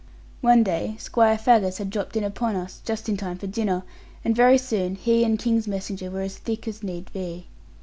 One day Squire Faggus had dropped in upon us, just in time for dinner; and very soon he and King's messenger were as thick as need be.